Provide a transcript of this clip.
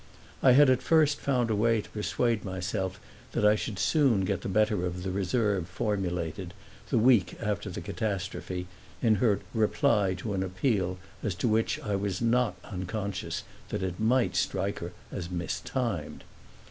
I had at first found a way to persuade myself that I should soon get the better of the reserve formulated, the week after the catastrophe in her reply to an appeal as to which I was not unconscious that it might strike her as mistimed.